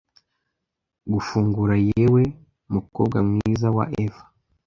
gufungura yewe mukobwa mwiza wa eva